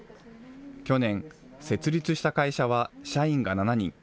去年、設立した会社は社員が７人。